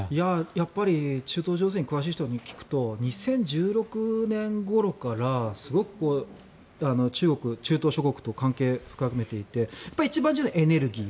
やっぱり中東情勢に詳しい人に聞くと２０１６年ごろからすごく中国は中東諸国と関係を深めていて一番重要なのはエネルギー。